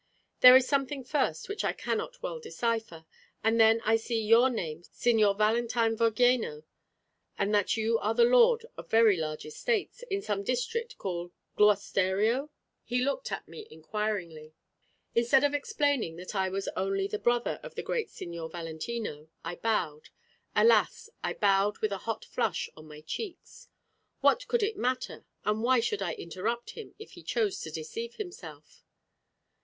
There is something first which I cannot well decipher, and then I see your name Signor Valentine Vogheno, and that you are the lord of very large estates, in some district called Gloisterio?" He looked at me inquiringly. Instead of explaining that I was only the brother of the great Signor Valentino, I bowed, alas I bowed with a hot flush on my cheeks. What could it matter, and why should I interrupt him, if he chose to deceive himself?